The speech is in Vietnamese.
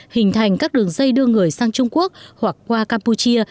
hình thành các đường dây đưa người sang trung quốc hoặc qua campuchia